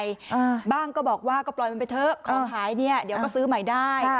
อ่าบ้างก็บอกว่าก็ปล่อยมันไปเถอะของขายเนี้ยเดี๋ยวก็ซื้อใหม่ได้ค่ะ